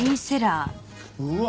うわ！